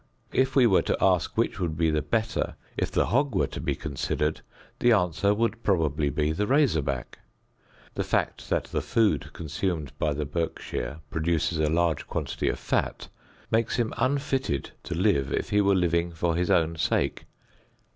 If we were to ask which would be the better, if the hog were to be considered, the answer would probably be the "razor back." The fact that the food consumed by the Berkshire produces a large quantity of fat, makes him unfitted to live if he were living for his own sake.